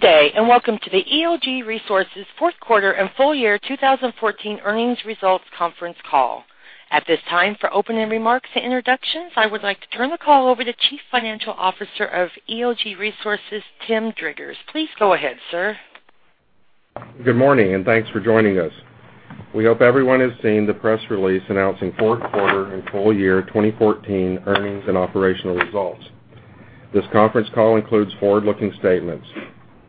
Good day, welcome to the EOG Resources fourth quarter and full year 2014 earnings results conference call. At this time, for opening remarks and introductions, I would like to turn the call over to Chief Financial Officer of EOG Resources, Tim Driggers. Please go ahead, sir. Good morning, thanks for joining us. We hope everyone has seen the press release announcing fourth quarter and full year 2014 earnings and operational results. This conference call includes forward-looking statements.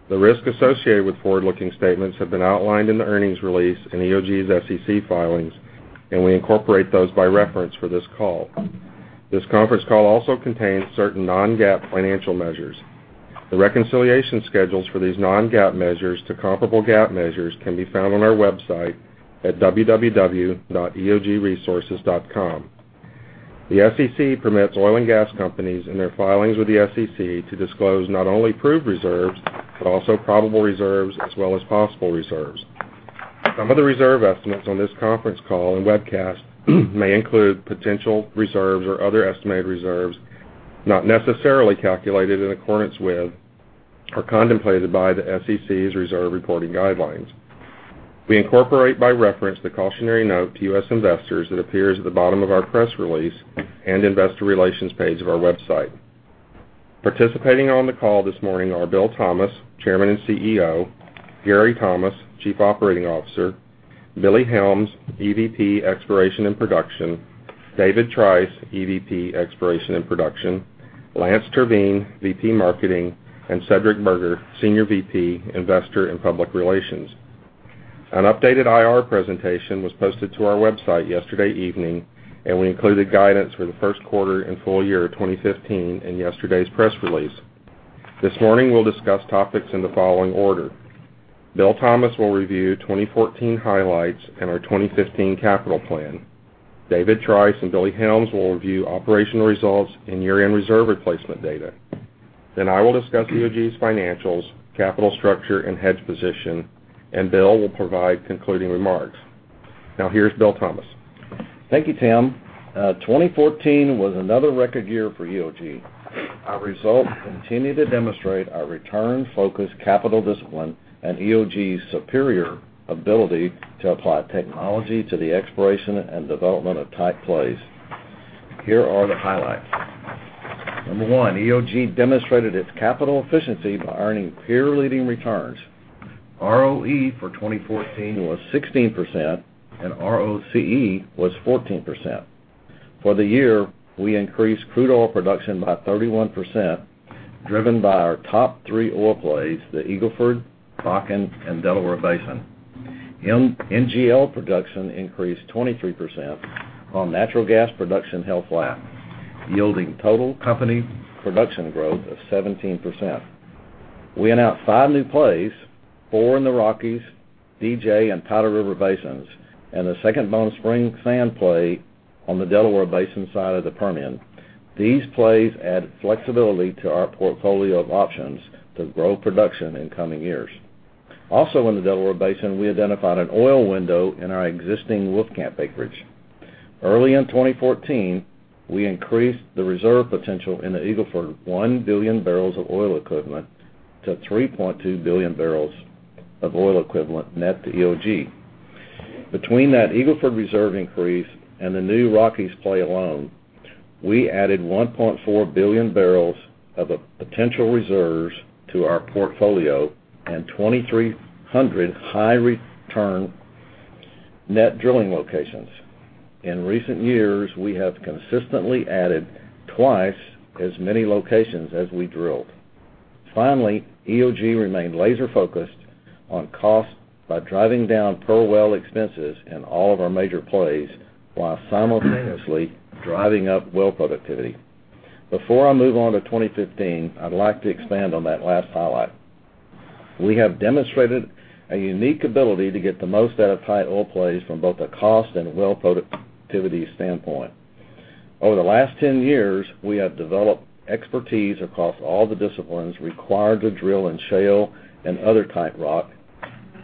The risks associated with forward-looking statements have been outlined in the earnings release in EOG's SEC filings, we incorporate those by reference for this call. This conference call also contains certain non-GAAP financial measures. The reconciliation schedules for these non-GAAP measures to comparable GAAP measures can be found on our website at www.eogresources.com. The SEC permits oil and gas companies in their filings with the SEC to disclose not only proved reserves, also probable reserves, as well as possible reserves. Some of the reserve estimates on this conference call and webcast may include potential reserves or other estimated reserves not necessarily calculated in accordance with or contemplated by the SEC's reserve reporting guidelines. We incorporate by reference the cautionary note to U.S. investors that appears at the bottom of our press release and investor relations page of our website. Participating on the call this morning are Bill Thomas, Chairman and CEO, Gary Thomas, Chief Operating Officer, Billy Helms, EVP, Exploration and Production, David Trice, EVP, Exploration and Production, Lance Terveen, VP, Marketing, and Cedric Burgher, Senior VP, Investor and Public Relations. An updated IR presentation was posted to our website yesterday evening, we included guidance for the first quarter and full year 2015 in yesterday's press release. This morning, we'll discuss topics in the following order. Bill Thomas will review 2014 highlights and our 2015 capital plan. David Trice and Billy Helms will review operational results and year-end reserve replacement data. I will discuss EOG's financials, capital structure, and hedge position, Bill will provide concluding remarks. Now, here's Bill Thomas. Thank you, Tim. 2014 was another record year for EOG. Our results continue to demonstrate our return-focused capital discipline and EOG's superior ability to apply technology to the exploration and development of tight plays. Here are the highlights. Number one, EOG demonstrated its capital efficiency by earning peer-leading returns. ROE for 2014 was 16%, ROCE was 14%. For the year, we increased crude oil production by 31%, driven by our top three oil plays, the Eagle Ford, Bakken, and Delaware Basin. NGL production increased 23% while natural gas production held flat, yielding total company production growth of 17%. We announced five new plays, four in the Rockies, DJ and Powder River Basins, and a second Bone Spring sand play on the Delaware Basin side of the Permian. These plays add flexibility to our portfolio of options to grow production in coming years. In the Delaware Basin, we identified an oil window in our existing Wolfcamp acreage. Early in 2014, we increased the reserve potential in the Eagle Ford 1 billion barrels of oil equivalent to 3.2 billion barrels of oil equivalent net to EOG. Between that Eagle Ford reserve increase and the new Rockies play alone, we added 1.4 billion barrels of potential reserves to our portfolio and 2,300 high-return net drilling locations. In recent years, we have consistently added twice as many locations as we drilled. Finally, EOG remained laser-focused on cost by driving down per well expenses in all of our major plays while simultaneously driving up well productivity. Before I move on to 2015, I'd like to expand on that last highlight. We have demonstrated a unique ability to get the most out of tight oil plays from both a cost and well productivity standpoint. Over the last 10 years, we have developed expertise across all the disciplines required to drill in shale and other tight rock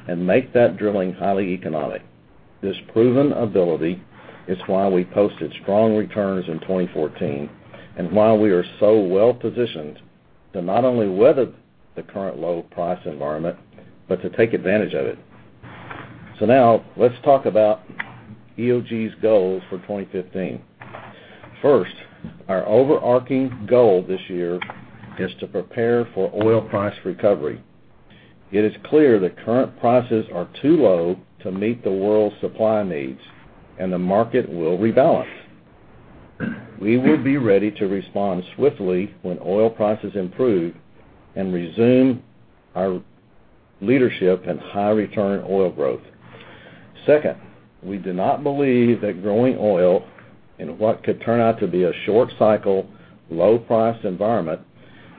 and make that drilling highly economic. This proven ability is why we posted strong returns in 2014 and why we are so well positioned to not only weather the current low price environment but to take advantage of it. Now let's talk about EOG's goals for 2015. First, our overarching goal this year is to prepare for oil price recovery. It is clear that current prices are too low to meet the world's supply needs, and the market will rebalance. We will be ready to respond swiftly when oil prices improve and resume our leadership in high-return oil growth. Second, we do not believe that growing oil in what could turn out to be a short-cycle, low-price environment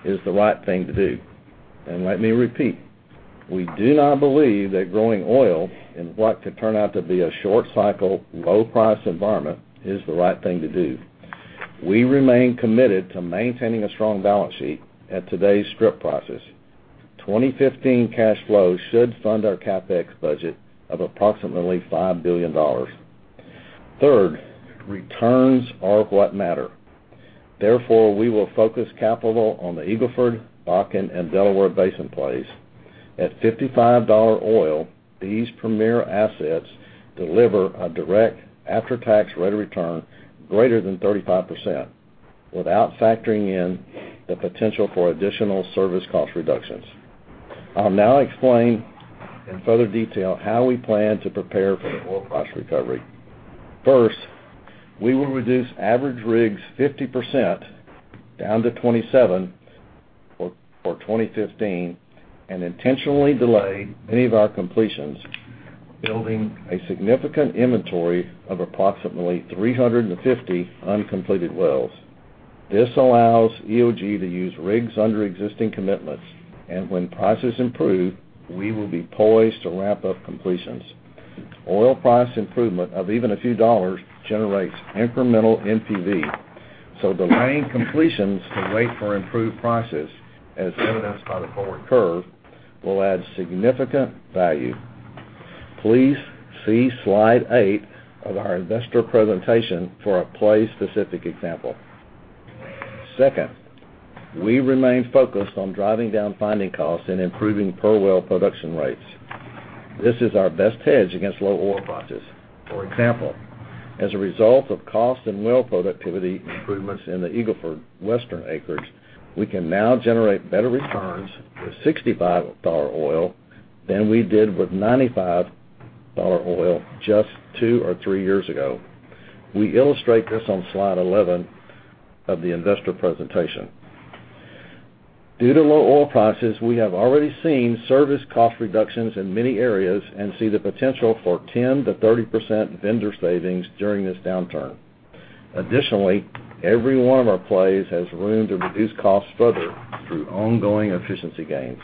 is the right thing to do. Let me repeat, we do not believe that growing oil in what could turn out to be a short-cycle, low-price environment is the right thing to do. We remain committed to maintaining a strong balance sheet at today's strip prices. 2015 cash flow should fund our CapEx budget of approximately $5 billion. Third, returns are what matter. Therefore, we will focus capital on the Eagle Ford, Bakken, and Delaware Basin plays. At $55 oil, these premier assets deliver a direct after-tax rate of return greater than 35% without factoring in the potential for additional service cost reductions. I'll now explain in further detail how we plan to prepare for the oil price recovery. First, we will reduce average rigs 50%, down to 27 for 2015, and intentionally delay any of our completions, building a significant inventory of approximately 285 uncompleted wells. This allows EOG to use rigs under existing commitments. When prices improve, we will be poised to ramp up completions. Oil price improvement of even a few dollars generates incremental NPV. Delaying completions to wait for improved prices, as evidenced by the forward curve, will add significant value. Please see slide eight of our investor presentation for a play-specific example. Second, we remain focused on driving down finding costs and improving per-well production rates. This is our best hedge against low oil prices. For example, as a result of cost and well productivity improvements in the Eagle Ford Western acres, we can now generate better returns with $65 oil than we did with $95 oil just two or three years ago. We illustrate this on slide 11 of the investor presentation. Due to low oil prices, we have already seen service cost reductions in many areas and see the potential for 10%-30% vendor savings during this downturn. Additionally, every one of our plays has room to reduce costs further through ongoing efficiency gains.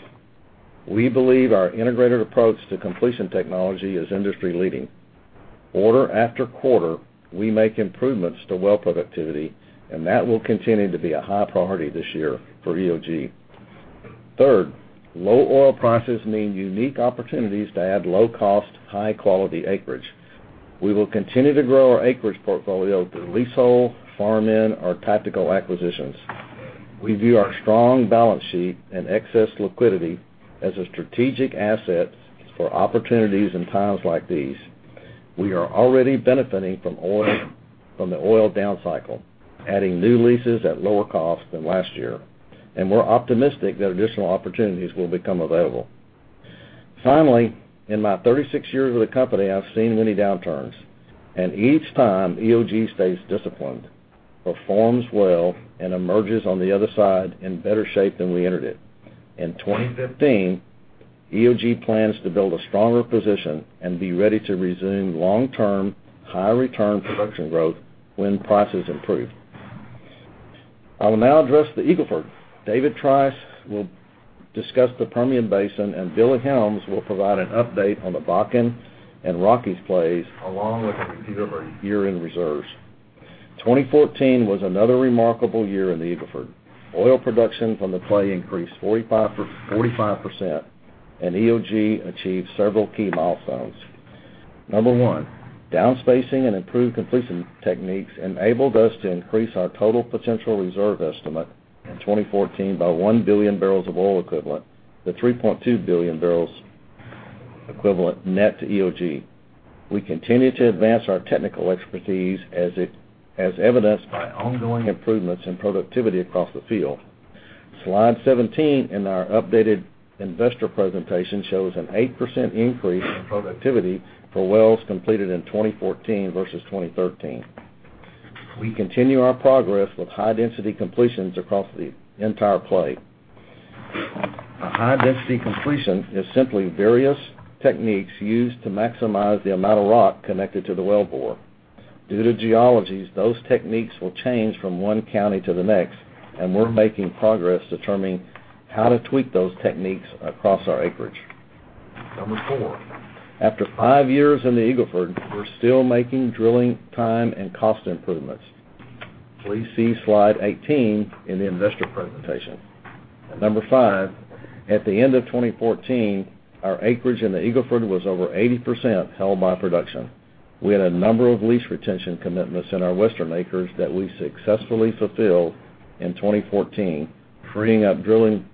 We believe our integrated approach to completion technology is industry-leading. Quarter after quarter, we make improvements to well productivity, and that will continue to be a high priority this year for EOG. Third, low oil prices mean unique opportunities to add low-cost, high-quality acreage. We will continue to grow our acreage portfolio through leasehold, farm-in, or tactical acquisitions. We view our strong balance sheet and excess liquidity as a strategic asset for opportunities in times like these. We are already benefiting from the oil downcycle, adding new leases at lower cost than last year, and we're optimistic that additional opportunities will become available. Finally, in my 36 years with the company, I've seen many downturns, and each time, EOG stays disciplined, performs well, and emerges on the other side in better shape than we entered it. In 2015, EOG plans to build a stronger position and be ready to resume long-term, high-return production growth when prices improve. I will now address the Eagle Ford. David Trice will discuss the Permian Basin, and Billy Helms will provide an update on the Bakken and Rockies plays, along with a repeat of our year-end reserves. 2014 was another remarkable year in the Eagle Ford. Oil production from the play increased 45%, and EOG achieved several key milestones. Number one, down-spacing and improved completion techniques enabled us to increase our total potential reserve estimate in 2014 by 1 billion barrels of oil equivalent, to 3.2 billion barrels equivalent net to EOG. We continue to advance our technical expertise, as evidenced by ongoing improvements in productivity across the field. Slide 17 in our updated investor presentation shows an 8% increase in productivity for wells completed in 2014 versus 2013. We continue our progress with high-density completions across the entire play. A high-density completion is simply various techniques used to maximize the amount of rock connected to the wellbore. Due to geologies, those techniques will change from one county to the next, and we're making progress determining how to tweak those techniques across our acreage. Number four, after five years in the Eagle Ford, we're still making drilling time and cost improvements. Please see slide 18 in the investor presentation. Number five, at the end of 2014, our acreage in the Eagle Ford was over 80% held by production. We had a number of lease retention commitments in our western acres that we successfully fulfilled in 2014, freeing up drilling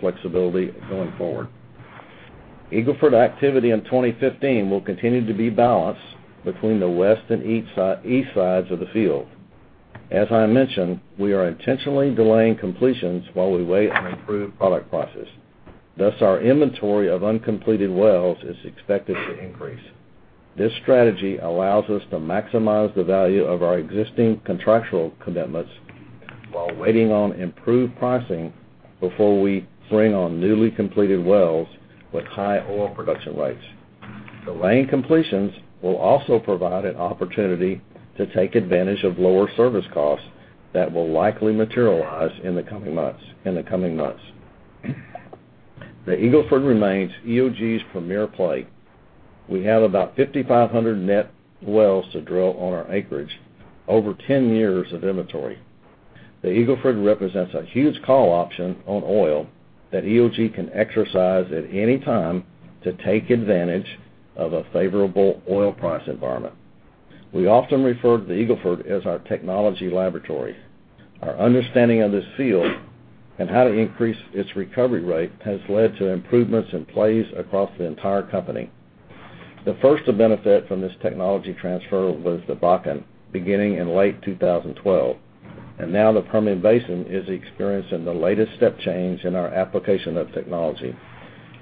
flexibility going forward. Eagle Ford activity in 2015 will continue to be balanced between the west and east sides of the field. As I mentioned, we are intentionally delaying completions while we wait on improved product prices. Thus, our inventory of uncompleted wells is expected to increase. This strategy allows us to maximize the value of our existing contractual commitments while waiting on improved pricing before we bring on newly completed wells with high oil production rates. Delaying completions will also provide an opportunity to take advantage of lower service costs that will likely materialize in the coming months. The Eagle Ford remains EOG's premier play. We have about 5,500 net wells to drill on our acreage, over 10 years of inventory. The Eagle Ford represents a huge call option on oil that EOG can exercise at any time to take advantage of a favorable oil price environment. We often refer to the Eagle Ford as our technology laboratory. Our understanding of this field and how to increase its recovery rate has led to improvements in plays across the entire company. The first to benefit from this technology transfer was the Bakken, beginning in late 2012. Now the Permian Basin is experiencing the latest step change in our application of technology.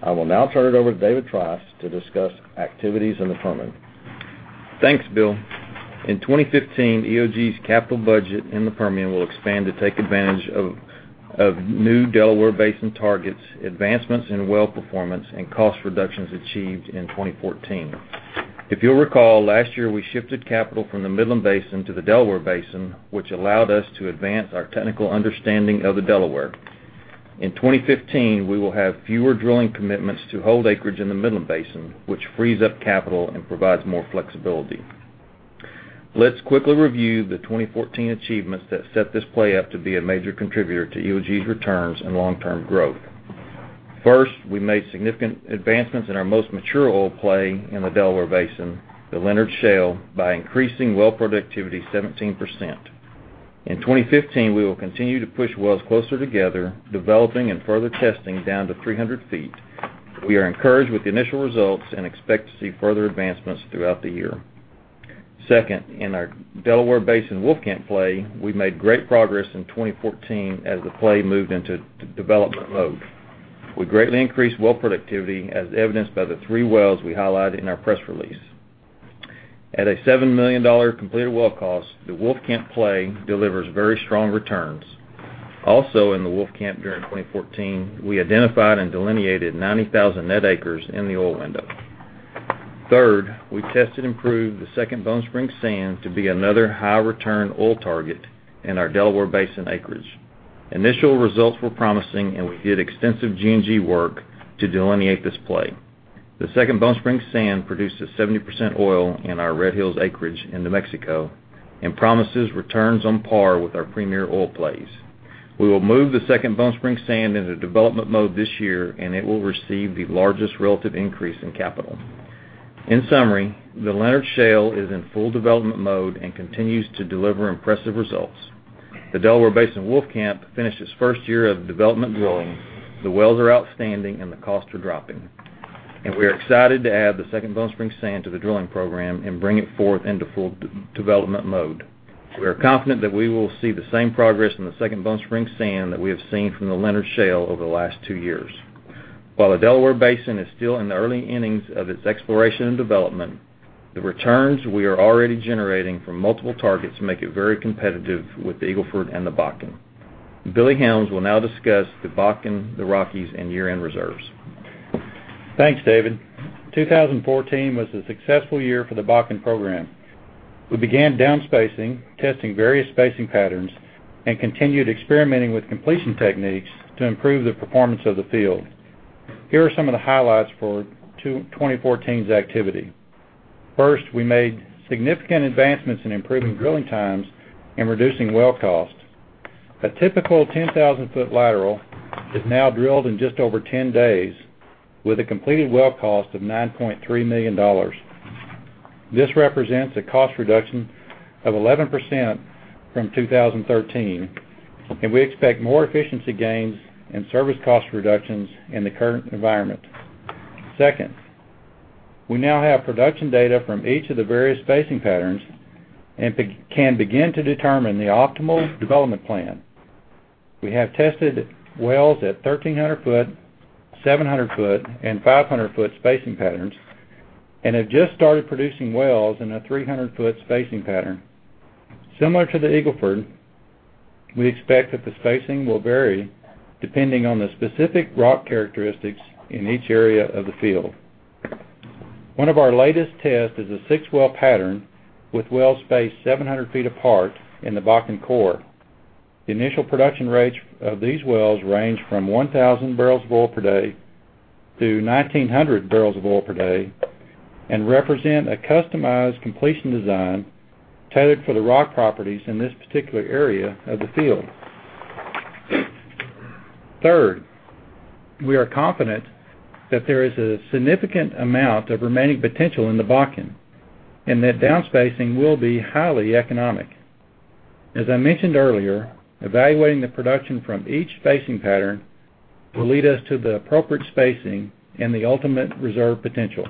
I will now turn it over to David Trice to discuss activities in the Permian. Thanks, Bill. In 2015, EOG's capital budget in the Permian will expand to take advantage of new Delaware Basin targets, advancements in well performance, and cost reductions achieved in 2014. If you'll recall, last year, we shifted capital from the Midland Basin to the Delaware Basin, which allowed us to advance our technical understanding of the Delaware. In 2015, we will have fewer drilling commitments to hold acreage in the Midland Basin, which frees up capital and provides more flexibility. Let's quickly review the 2014 achievements that set this play up to be a major contributor to EOG's returns and long-term growth. First, we made significant advancements in our most mature oil play in the Delaware Basin, the Leonard Shale, by increasing well productivity 17%. In 2015, we will continue to push wells closer together, developing and further testing down to 300 feet. We are encouraged with the initial results and expect to see further advancements throughout the year. Second, in our Delaware Basin Wolfcamp play, we made great progress in 2014 as the play moved into development mode. We greatly increased well productivity, as evidenced by the three wells we highlighted in our press release. At a $7 million completed well cost, the Wolfcamp play delivers very strong returns. Also in the Wolfcamp during 2014, we identified and delineated 90,000 net acres in the oil window. Third, we tested and proved the Second Bone Spring sand to be another high-return oil target in our Delaware Basin acreage. Initial results were promising, and we did extensive G&G work to delineate this play. The Second Bone Spring sand produces 70% oil in our Red Hills acreage in New Mexico and promises returns on par with our premier oil plays. We will move the Second Bone Spring sand into development mode this year, it will receive the largest relative increase in capital. In summary, the Leonard Shale is in full development mode and continues to deliver impressive results. The Delaware Basin Wolfcamp finished its first year of development drilling. The wells are outstanding, and the costs are dropping. We are excited to add the Second Bone Spring sand to the drilling program and bring it forth into full development mode. We are confident that we will see the same progress in the Second Bone Spring sand that we have seen from the Leonard Shale over the last two years. While the Delaware Basin is still in the early innings of its exploration and development, the returns we are already generating from multiple targets make it very competitive with the Eagle Ford and the Bakken. Billy Helms will now discuss the Bakken, the Rockies, and year-end reserves. Thanks, David. 2014 was a successful year for the Bakken program. We began downspacing, testing various spacing patterns, and continued experimenting with completion techniques to improve the performance of the field. Here are some of the highlights for 2014's activity. First, we made significant advancements in improving drilling times and reducing well cost. A typical 10,000-foot lateral is now drilled in just over 10 days with a completed well cost of $9.3 million. This represents a cost reduction of 11% from 2013, and we expect more efficiency gains and service cost reductions in the current environment. Second, we now have production data from each of the various spacing patterns and can begin to determine the optimal development plan. We have tested wells at 1,300 foot, 700 foot, and 500 foot spacing patterns and have just started producing wells in a 300-foot spacing pattern. Similar to the Eagle Ford, we expect that the spacing will vary depending on the specific rock characteristics in each area of the field. One of our latest tests is a six-well pattern with wells spaced 700 feet apart in the Bakken core. The initial production rates of these wells range from 1,000 barrels of oil per day to 1,900 barrels of oil per day and represent a customized completion design tailored for the rock properties in this particular area of the field. Third, we are confident that there is a significant amount of remaining potential in the Bakken and that downspacing will be highly economic. As I mentioned earlier, evaluating the production from each spacing pattern will lead us to the appropriate spacing and the ultimate reserve potential.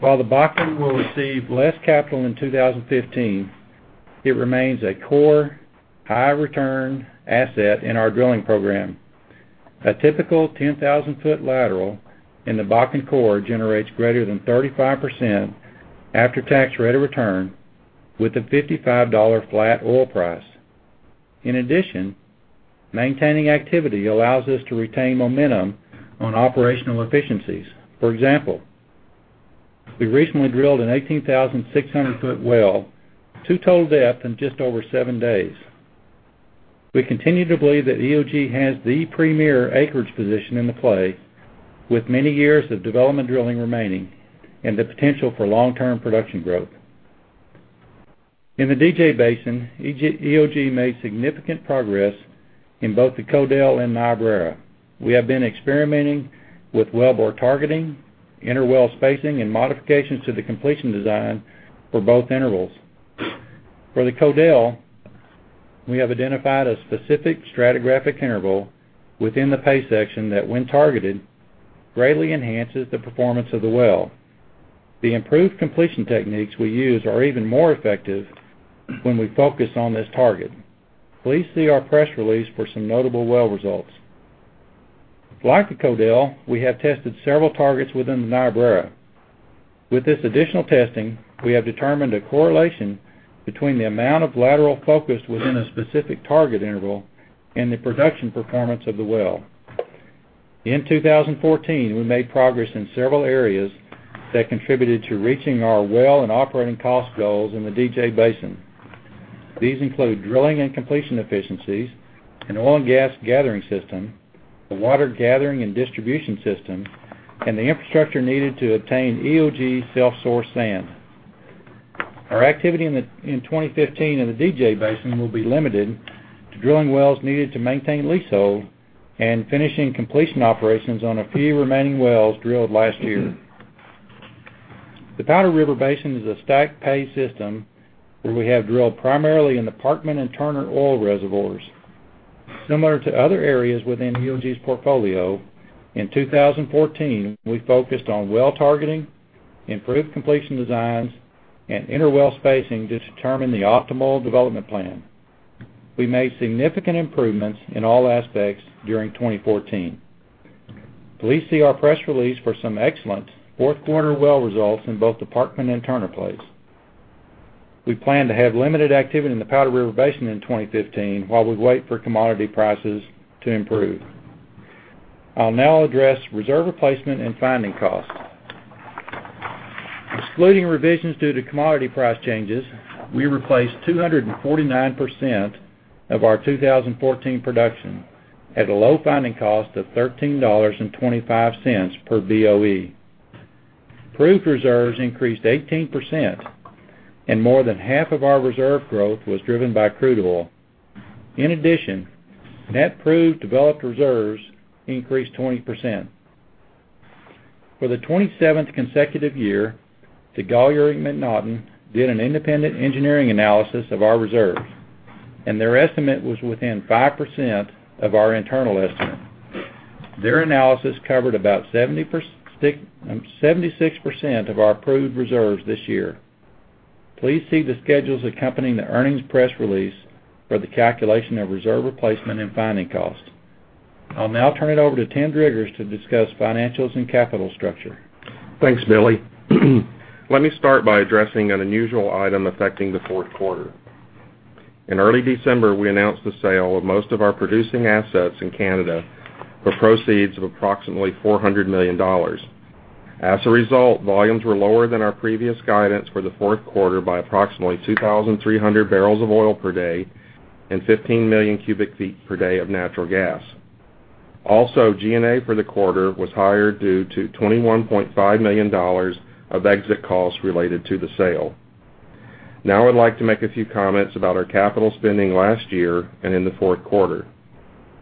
While the Bakken will receive less capital in 2015, it remains a core high-return asset in our drilling program. A typical 10,000-foot lateral in the Bakken core generates greater than 35% after-tax rate of return with a $55 flat oil price. In addition, maintaining activity allows us to retain momentum on operational efficiencies. For example, we recently drilled an 18,600-foot well to total depth in just over seven days. We continue to believe that EOG has the premier acreage position in the play with many years of development drilling remaining and the potential for long-term production growth. In the DJ Basin, EOG made significant progress in both the Codell and Niobrara. We have been experimenting with well bore targeting, interwell spacing, and modifications to the completion design for both intervals. For the Codell, we have identified a specific stratigraphic interval within the pay section that, when targeted, greatly enhances the performance of the well. The improved completion techniques we use are even more effective when we focus on this target. Please see our press release for some notable well results. Like the Codell, we have tested several targets within the Niobrara. With this additional testing, we have determined a correlation between the amount of lateral focus within a specific target interval and the production performance of the well. In 2014, we made progress in several areas that contributed to reaching our well and operating cost goals in the DJ Basin. These include drilling and completion efficiencies in oil and gas gathering system, the water gathering and distribution system, and the infrastructure needed to obtain EOG self-source sand. Our activity in 2015 in the DJ Basin will be limited to drilling wells needed to maintain leasehold and finishing completion operations on a few remaining wells drilled last year. The Powder River Basin is a stack pay system where we have drilled primarily in the Parkman and Turner Oil reservoirs. Similar to other areas within EOG's portfolio, in 2014, we focused on well targeting, improved completion designs, and interwell spacing to determine the optimal development plan. We made significant improvements in all aspects during 2014. Please see our press release for some excellent fourth quarter well results in both the Parkman and Turner plays. We plan to have limited activity in the Powder River Basin in 2015 while we wait for commodity prices to improve. I'll now address reserve replacement and finding costs. Excluding revisions due to commodity price changes, we replaced 249% of our 2014 production at a low finding cost of $13.25 per BOE. Proved reserves increased 18%, and more than half of our reserve growth was driven by crude oil. In addition, net proved developed reserves increased 20%. For the 27th consecutive year, DeGolyer and MacNaughton did an independent engineering analysis of our reserves, and their estimate was within 5% of our internal estimate. Their analysis covered about 76% of our proved reserves this year. Please see the schedules accompanying the earnings press release for the calculation of reserve replacement and finding costs. I'll now turn it over to Tim Driggers to discuss financials and capital structure. Thanks, Billy. Let me start by addressing an unusual item affecting the fourth quarter. In early December, we announced the sale of most of our producing assets in Canada for proceeds of approximately $400 million. As a result, volumes were lower than our previous guidance for the fourth quarter by approximately 2,300 barrels of oil per day and 15 million cubic feet per day of natural gas. Also, G&A for the quarter was higher due to $21.5 million of exit costs related to the sale. I'd like to make a few comments about our capital spending last year and in the fourth quarter.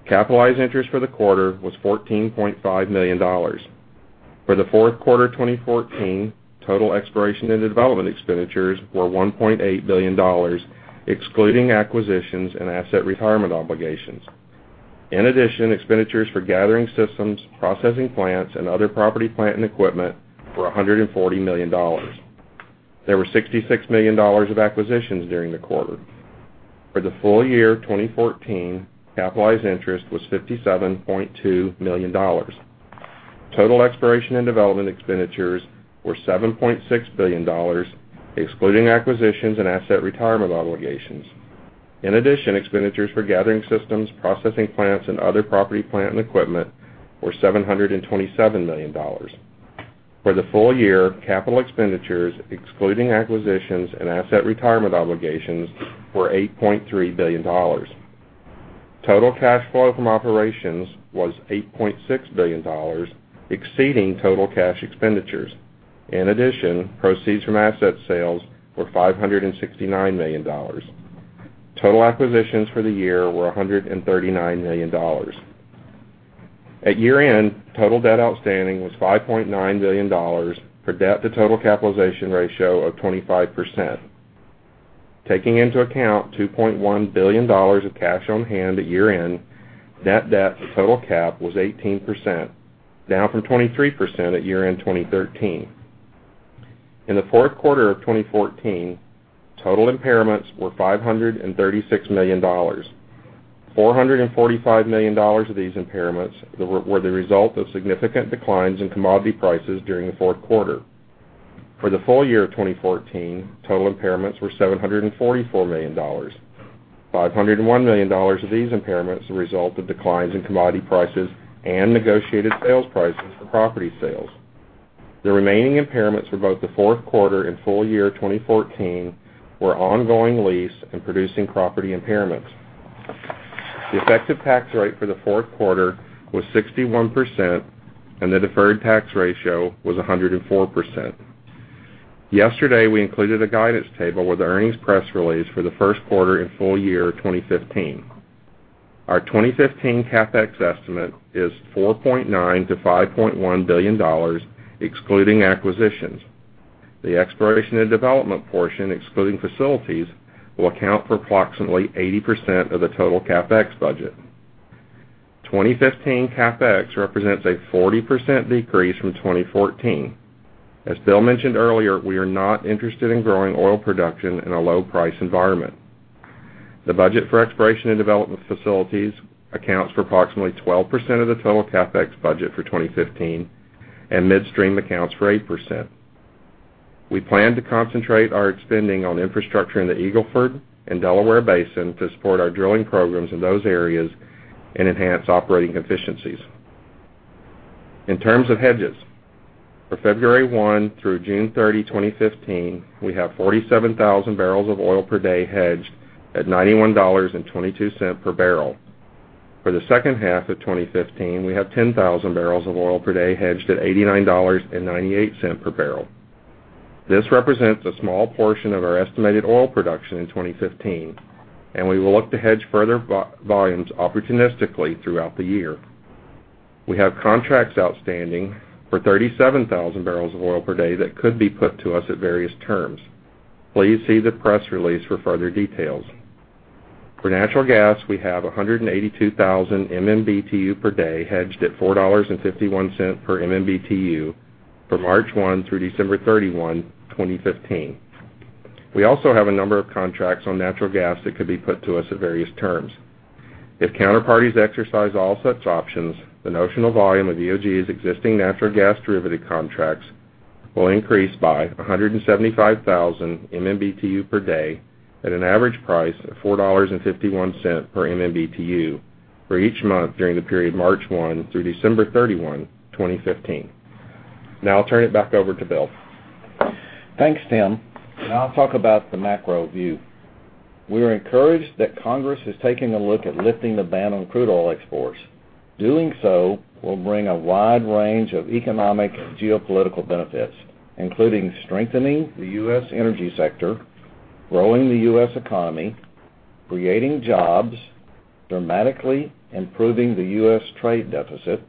Capitalized interest for the quarter was $14.5 million. For the fourth quarter 2014, total exploration and development expenditures were $1.8 billion, excluding acquisitions and asset retirement obligations. In addition, expenditures for gathering systems, processing plants, and other property, plant, and equipment were $140 million. There were $66 million of acquisitions during the quarter. For the full year 2014, capitalized interest was $57.2 million. Total exploration and development expenditures were $7.6 billion, excluding acquisitions and asset retirement obligations. In addition, expenditures for gathering systems, processing plants, and other property, plant, and equipment were $727 million. For the full year, capital expenditures, excluding acquisitions and asset retirement obligations, were $8.3 billion. Total cash flow from operations was $8.6 billion, exceeding total cash expenditures. In addition, proceeds from asset sales were $569 million. Total acquisitions for the year were $139 million. At year-end, total debt outstanding was $5.9 billion for debt to total capitalization ratio of 25%. Taking into account $2.1 billion of cash on hand at year-end, net debt to total cap was 18%, down from 23% at year-end 2013. In the fourth quarter of 2014, total impairments were $536 million. $445 million of these impairments were the result of significant declines in commodity prices during the fourth quarter. For the full year of 2014, total impairments were $744 million. $501 million of these impairments were a result of declines in commodity prices and negotiated sales prices for property sales. The remaining impairments for both the fourth quarter and full year 2014 were ongoing lease and producing property impairments. The effective tax rate for the fourth quarter was 61%, and the deferred tax ratio was 104%. Yesterday, we included a guidance table with the earnings press release for the first quarter and full year 2015. Our 2015 CapEx estimate is $4.9 billion-$5.1 billion, excluding acquisitions. The exploration and development portion, excluding facilities, will account for approximately 80% of the total CapEx budget. 2015 CapEx represents a 40% decrease from 2014. As Bill mentioned earlier, we are not interested in growing oil production in a low price environment. The budget for exploration and development facilities accounts for approximately 12% of the total CapEx budget for 2015, and midstream accounts for 8%. We plan to concentrate our spending on infrastructure in the Eagle Ford and Delaware Basin to support our drilling programs in those areas and enhance operating efficiencies. In terms of hedges, for February 1 through June 30, 2015, we have 47,000 barrels of oil per day hedged at $91.22 per barrel. For the second half of 2015, we have 10,000 barrels of oil per day hedged at $89.98 per barrel. This represents a small portion of our estimated oil production in 2015, and we will look to hedge further volumes opportunistically throughout the year. We have contracts outstanding for 37,000 barrels of oil per day that could be put to us at various terms. Please see the press release for further details. For natural gas, we have 182,000 MMBtu per day hedged at $4.51 per MMBtu from March 1 through December 31, 2015. We also have a number of contracts on natural gas that could be put to us at various terms. If counterparties exercise all such options, the notional volume of EOG's existing natural gas derivative contracts will increase by 175,000 MMBtu per day at an average price of $4.51 per MMBtu for each month during the period March 1 through December 31, 2015. Now I'll turn it back over to Bill. Thanks, Tim. I'll talk about the macro view. We are encouraged that Congress is taking a look at lifting the ban on crude oil exports. Doing so will bring a wide range of economic geopolitical benefits, including strengthening the U.S. energy sector, growing the U.S. economy, creating jobs, dramatically improving the U.S. trade deficit,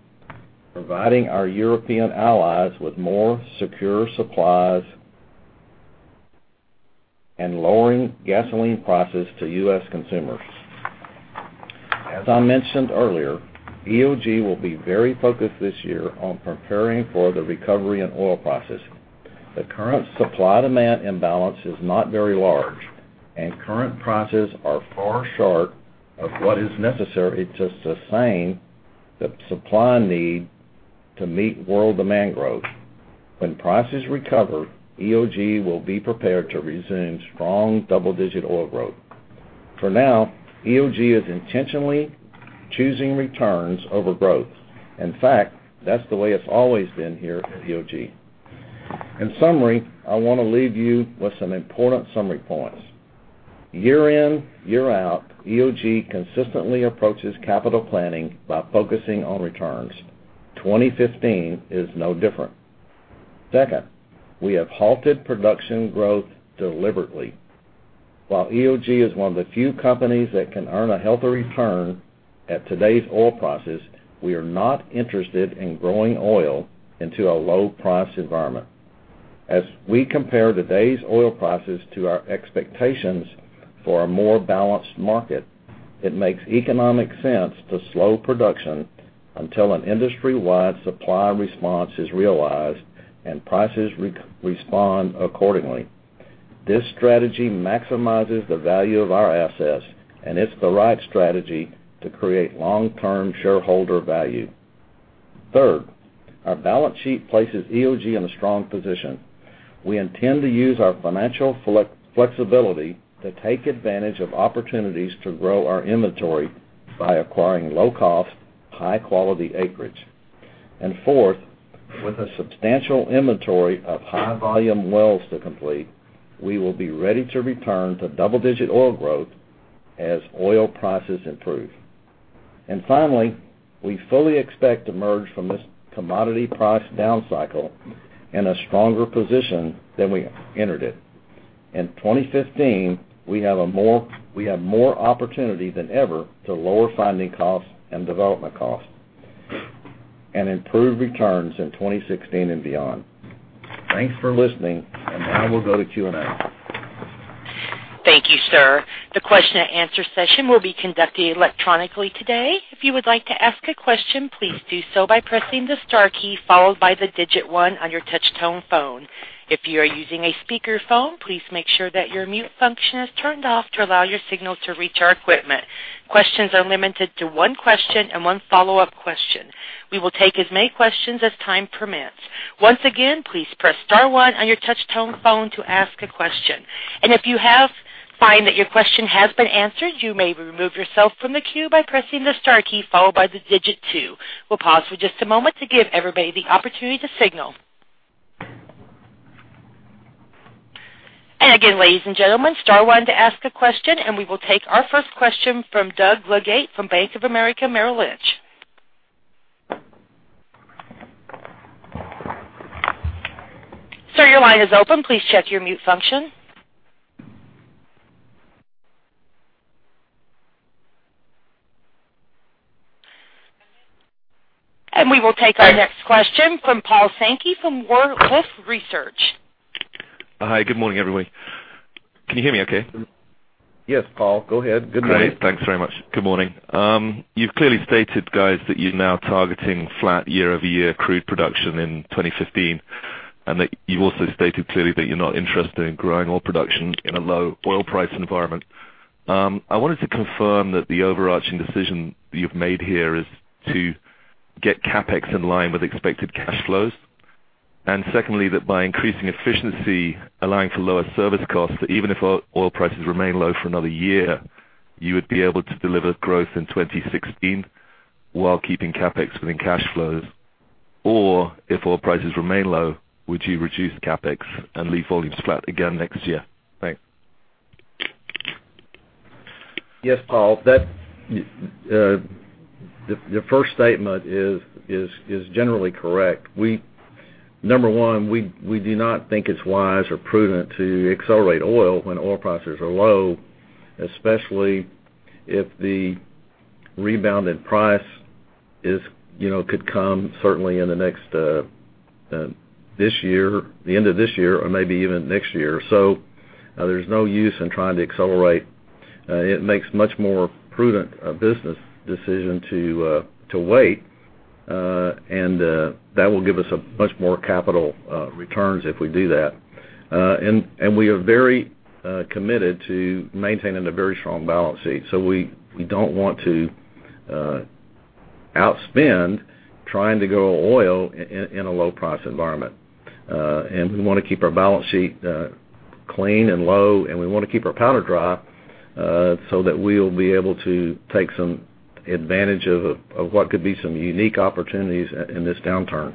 providing our European allies with more secure supplies, and lowering gasoline prices to U.S. consumers. As I mentioned earlier, EOG will be very focused this year on preparing for the recovery in oil prices. The current supply-demand imbalance is not very large, and current prices are far short of what is necessary to sustain the supply need to meet world demand growth. When prices recover, EOG will be prepared to resume strong double-digit oil growth. For now, EOG is intentionally choosing returns over growth. That's the way it's always been here at EOG. In summary, I want to leave you with some important summary points. Year in, year out, EOG consistently approaches capital planning by focusing on returns. 2015 is no different. Second, we have halted production growth deliberately. While EOG is one of the few companies that can earn a healthy return at today's oil prices, we are not interested in growing oil into a low price environment. As we compare today's oil prices to our expectations for a more balanced market, it makes economic sense to slow production until an industry-wide supply response is realized and prices respond accordingly. This strategy maximizes the value of our assets. It's the right strategy to create long-term shareholder value. Third, our balance sheet places EOG in a strong position. We intend to use our financial flexibility to take advantage of opportunities to grow our inventory by acquiring low-cost, high-quality acreage. Fourth, with a substantial inventory of high-volume wells to complete, we will be ready to return to double-digit oil growth as oil prices improve. Finally, we fully expect to emerge from this commodity price down cycle in a stronger position than we entered it. In 2015, we have more opportunity than ever to lower finding costs and development costs and improve returns in 2016 and beyond. Thanks for listening, now we'll go to Q&A. Thank you, sir. The question and answer session will be conducted electronically today. If you would like to ask a question, please do so by pressing the star key followed by the digit 1 on your touch tone phone. If you are using a speakerphone, please make sure that your mute function is turned off to allow your signal to reach our equipment. Questions are limited to one question and one follow-up question. We will take as many questions as time permits. Once again, please press star one on your touch tone phone to ask a question. If you find that your question has been answered, you may remove yourself from the queue by pressing the star key followed by the digit 2. We'll pause for just a moment to give everybody the opportunity to signal. ladies and gentlemen, star one to ask a question, we will take our first question from Doug Leggate from Bank of America Merrill Lynch. Sir, your line is open. Please check your mute function. We will take our next question from Paul Sankey from Wolfe Research. Hi, good morning, everybody. Can you hear me okay? Yes, Paul, go ahead. Good morning. Great. Thanks very much. Good morning. You've clearly stated, guys, that you're now targeting flat year-over-year crude production in 2015, you also stated clearly that you're not interested in growing oil production in a low oil price environment. I wanted to confirm that the overarching decision you've made here is to get CapEx in line with expected cash flows, secondly, that by increasing efficiency, allowing for lower service costs, even if oil prices remain low for another year, you would be able to deliver growth in 2016 while keeping CapEx within cash flows. If oil prices remain low, would you reduce CapEx and leave volumes flat again next year? Thanks. Yes, Paul. Your first statement is generally correct. Number one, we do not think it's wise or prudent to accelerate oil when oil prices are low, especially if the rebounded price could come certainly this year, the end of this year, or maybe even next year. There's no use in trying to accelerate. It makes much more prudent business decision to wait, and that will give us much more capital returns if we do that. We are very committed to maintaining a very strong balance sheet. We don't want to outspend trying to grow oil in a low price environment. We want to keep our balance sheet clean and low, and we want to keep our powder dry, so that we'll be able to take some advantage of what could be some unique opportunities in this downturn.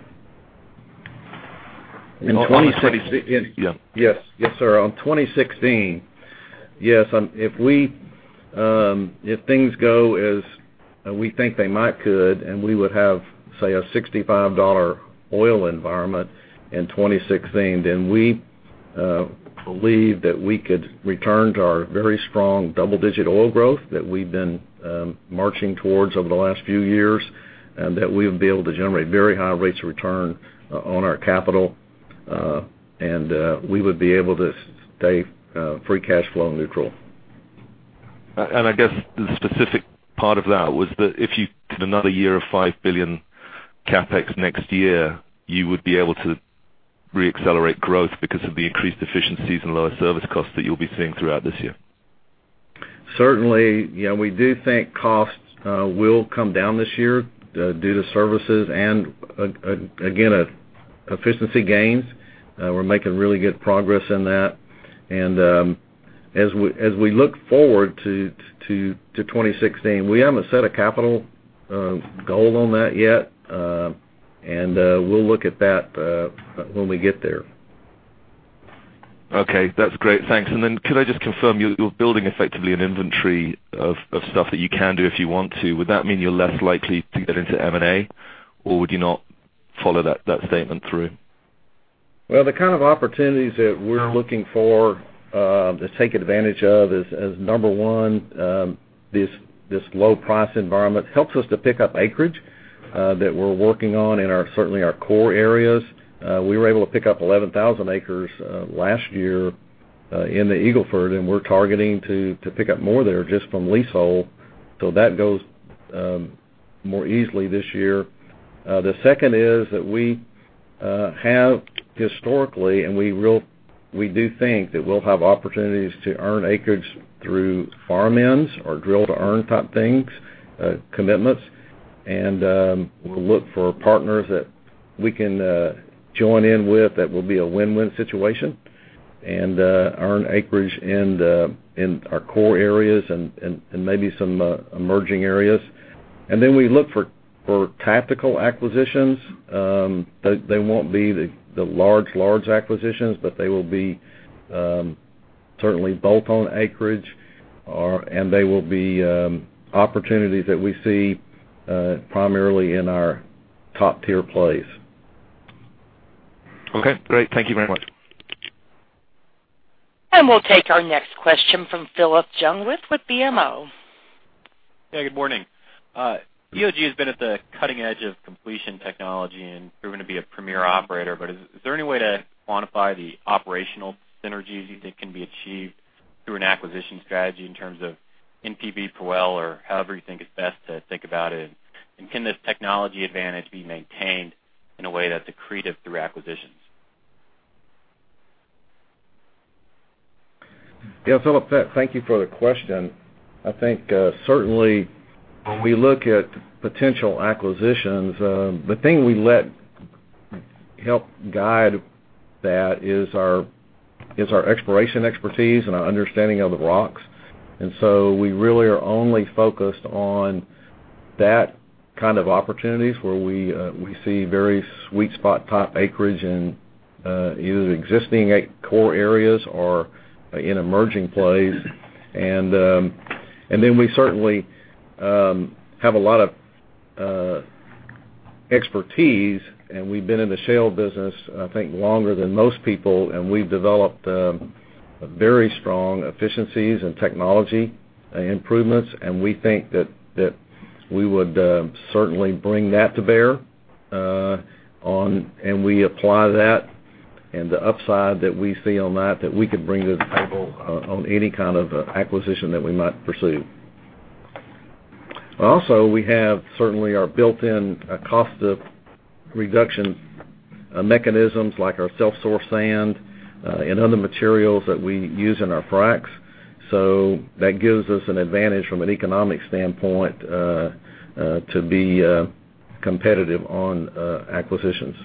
In 2016? Yes. Yes, sir. On 2016, yes, if things go as we think they might could, we would have, say, a $65 oil environment in 2016, we believe that we could return to our very strong double-digit oil growth that we've been marching towards over the last few years, and that we would be able to generate very high rates of return on our capital. We would be able to stay free cash flow neutral. I guess the specific part of that was that if you did another year of $5 billion CapEx next year, you would be able to re-accelerate growth because of the increased efficiencies and lower service costs that you'll be seeing throughout this year. Certainly, we do think costs will come down this year due to services and, again, efficiency gains. We're making really good progress in that. As we look forward to 2016, we haven't set a capital goal on that yet. We'll look at that when we get there. Okay, that's great. Thanks. Then could I just confirm, you're building effectively an inventory of stuff that you can do if you want to. Would that mean you're less likely to get into M&A, or would you not follow that statement through? Well, the kind of opportunities that we're looking for, to take advantage of is, number 1 this low price environment helps us to pick up acreage that we're working on in certainly our core areas. We were able to pick up 11,000 acres last year in the Eagle Ford, and we're targeting to pick up more there just from leasehold. That goes more easily this year. The second is that we have historically, we do think that we'll have opportunities to earn acreage through farm-ins or drill to earn type things, commitments. We'll look for partners that we can join in with that will be a win-win situation and earn acreage in our core areas and maybe some emerging areas. Then we look for tactical acquisitions. They won't be the large acquisitions, they will be certainly bolt-on acreage, and they will be opportunities that we see primarily in our top-tier plays. Okay, great. Thank you very much. We'll take our next question from Phillip Jungwirth with BMO. Yeah, good morning. EOG has been at the cutting edge of completions technology and proven to be a premier operator. Is there any way to quantify the operational synergies you think can be achieved through an acquisition strategy in terms of NPV per well or however you think is best to think about it? Can this technology advantage be maintained in a way that's accretive through acquisitions? Yeah, Phillip, thank you for the question. I think certainly when we look at potential acquisitions, the thing we let help guide that is our exploration expertise and our understanding of the rocks. We really are only focused on That kind of opportunities where we see very sweet spot type acreage in either existing core areas or in emerging plays. We certainly have a lot of expertise, and we've been in the shale business, I think, longer than most people, and we've developed very strong efficiencies and technology improvements. We think that we would certainly bring that to bear on, and we apply that, and the upside that we see on that we could bring to the table on any kind of acquisition that we might pursue. We have certainly our built-in cost of reduction mechanisms like our self-source sand and other materials that we use in our fracs. That gives us an advantage from an economic standpoint to be competitive on acquisitions.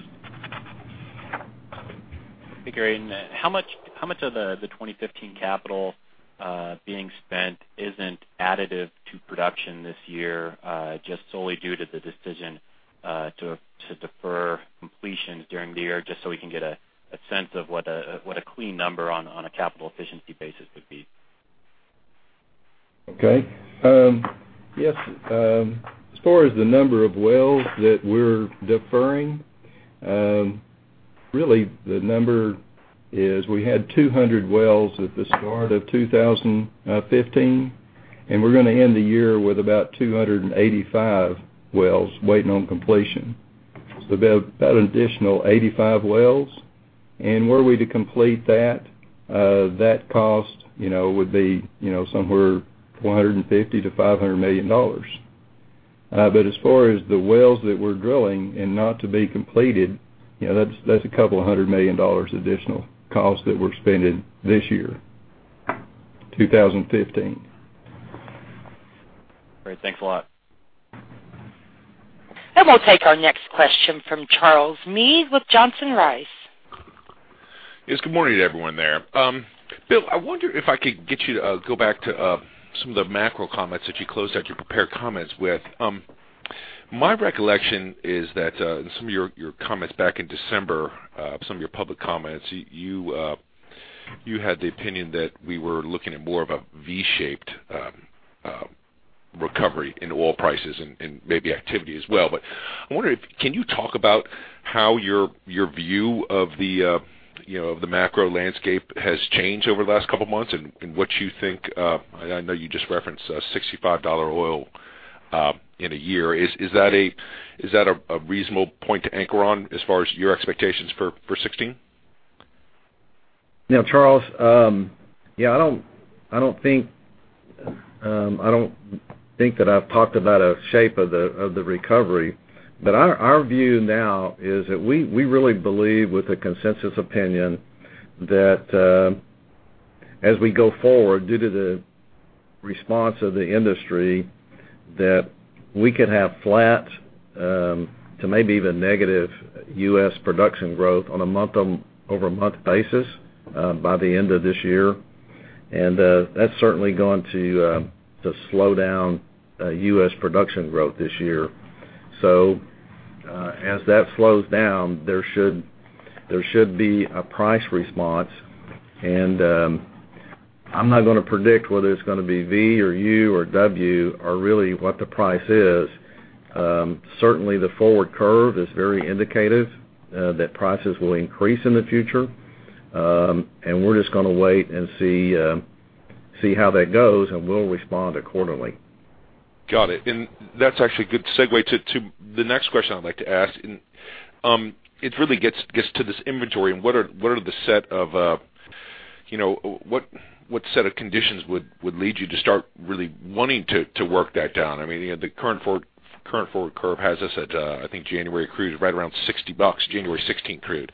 Hey, Gary. How much of the 2015 capital being spent isn't additive to production this year just solely due to the decision to defer completions during the year just so we can get a sense of what a clean number on a capital efficiency basis would be? As far as the number of wells that we're deferring, really the number is we had 200 wells at the start of 2015, and we're going to end the year with about 285 wells waiting on completion. About an additional 85 wells. Were we to complete that cost would be somewhere $450 million-$500 million. As far as the wells that we're drilling and not to be completed, that's a $200 million additional cost that we're spending this year, 2015. Great. Thanks a lot. We'll take our next question from Charles Mead with Johnson Rice. Yes, good morning to everyone there. Bill, I wonder if I could get you to go back to some of the macro comments that you closed out your prepared comments with. My recollection is that in some of your comments back in December, some of your public comments, you had the opinion that we were looking at more of a V-shaped recovery in oil prices and maybe activity as well. I wonder, can you talk about how your view of the macro landscape has changed over the last couple of months, and what you think, I know you just referenced $65 oil in a year. Is that a reasonable point to anchor on as far as your expectations for 2016? Charles, I don't think that I've talked about a shape of the recovery. Our view now is that we really believe, with the consensus opinion, that as we go forward due to the response of the industry, that we could have flat to maybe even negative U.S. production growth on a month-over-month basis by the end of this year. That's certainly going to slow down U.S. production growth this year. As that slows down, there should be a price response, and I'm not going to predict whether it's going to be V or U or W or really what the price is. Certainly, the forward curve is very indicative that prices will increase in the future. We're just going to wait and see how that goes, and we'll respond accordingly. Got it. That's actually a good segue to the next question I'd like to ask. It really gets to this inventory and what set of conditions would lead you to start really wanting to work that down? The current forward curve has us at, I think January crude is right around $60, January 2016 crude.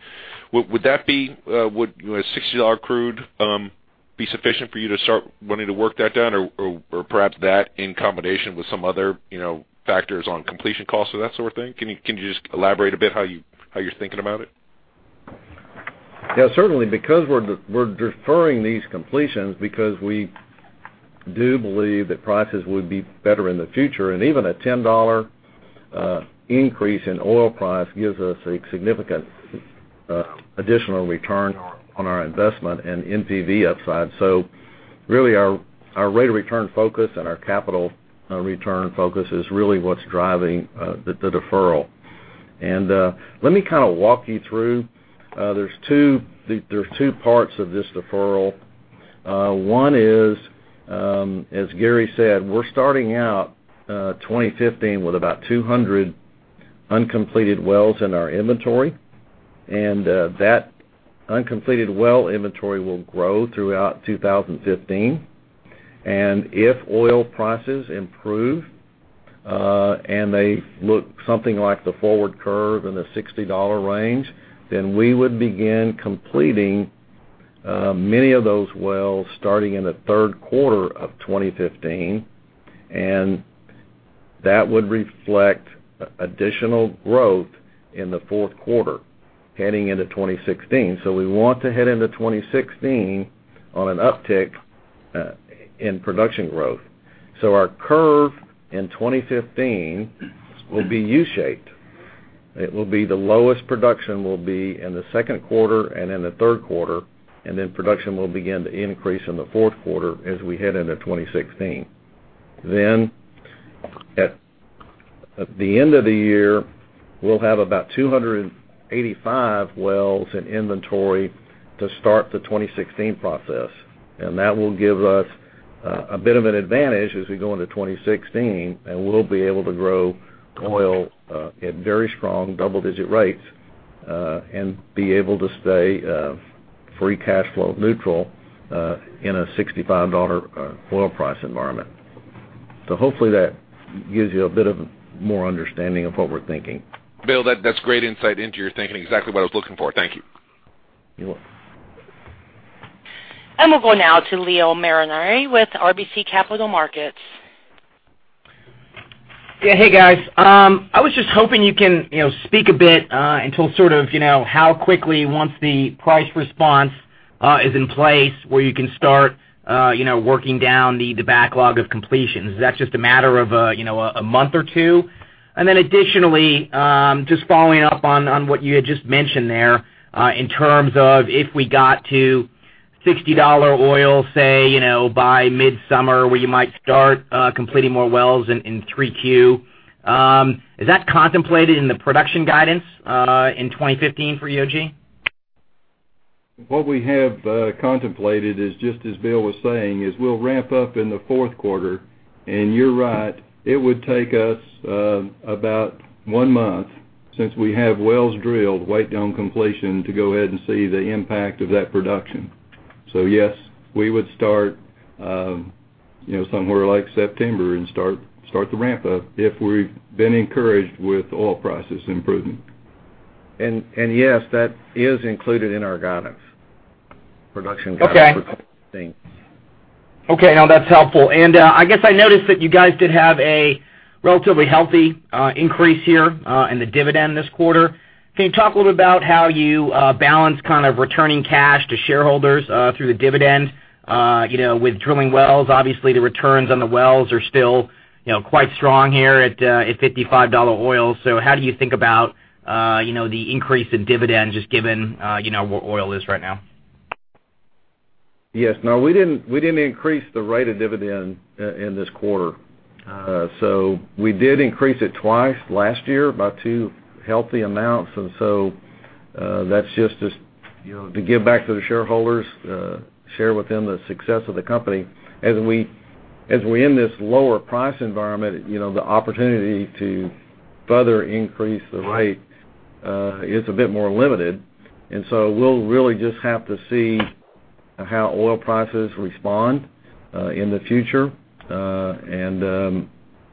Would $60 crude be sufficient for you to start wanting to work that down? Perhaps that in combination with some other factors on completion costs or that sort of thing? Can you just elaborate a bit how you're thinking about it? Yeah, certainly because we're deferring these completions because we do believe that prices would be better in the future, and even a $10 increase in oil price gives us a significant additional return on our investment and NPV upside. Really our rate of return focus and our capital return focus is really what's driving the deferral. Let me walk you through. There's two parts of this deferral. One is, as Gary said, we're starting out 2015 with about 200 uncompleted wells in our inventory, and that uncompleted well inventory will grow throughout 2015. If oil prices improve, and they look something like the forward curve in the $60 range, we would begin completing many of those wells starting in the third quarter of 2015, and that would reflect additional growth in the fourth quarter, heading into 2016. We want to head into 2016 on an uptick in production growth. Our curve in 2015 will be U-shaped. It will be the lowest production will be in the second quarter and in the third quarter, and then production will begin to increase in the fourth quarter as we head into 2016. At the end of the year, we'll have about 285 wells in inventory to start the 2016 process. That will give us a bit of an advantage as we go into 2016, and we'll be able to grow oil at very strong double-digit rates, and be able to stay free cash flow neutral in a $65 oil price environment. Hopefully, that gives you a bit of more understanding of what we're thinking. Bill, that's great insight into your thinking. Exactly what I was looking for. Thank you. You're welcome. We'll go now to Leo Mariani with RBC Capital Markets. Yeah. Hey, guys. I was just hoping you can speak a bit until sort of how quickly once the price response is in place where you can start working down the backlog of completions. Is that just a matter of a month or two? Additionally, just following up on what you had just mentioned there, in terms of if we got to $60 oil, say, by midsummer where you might start completing more wells in 3Q, is that contemplated in the production guidance in 2015 for EOG? What we have contemplated is just as Bill was saying, is we'll ramp up in the fourth quarter. You're right, it would take us about one month since we have wells drilled, wait on completion to go ahead and see the impact of that production. Yes, we would start somewhere like September and start the ramp up if we've been encouraged with oil prices improving. Yes, that is included in our production guidance for 2016. Okay. No, that's helpful. I guess I noticed that you guys did have a relatively healthy increase here in the dividend this quarter. Can you talk a little bit about how you balance returning cash to shareholders through the dividend with drilling wells? Obviously, the returns on the wells are still quite strong here at $55 oil. How do you think about the increase in dividends just given where oil is right now? Yes. No, we didn't increase the rate of dividend in this quarter. We did increase it twice last year by two healthy amounts. That's just to give back to the shareholders, share with them the success of the company. As we're in this lower price environment, the opportunity to further increase the rate is a bit more limited. We'll really just have to see how oil prices respond in the future, and